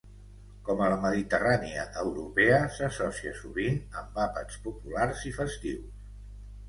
Com a la mediterrània europea s'associa sovint amb àpats populars i festius.